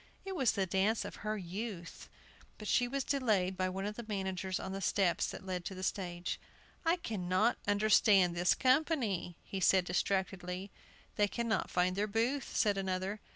It was the dance of her youth. But she was delayed by one of the managers on the steps that led to the stage. "I cannot understand this company," he said, distractedly. "They cannot find their booth," said another.